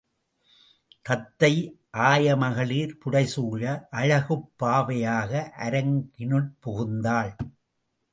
தத்தை ஆயமகளிர் புடைசூழ அழகுப் பாவையாக அரங்கினுட் புகுந்தாள்.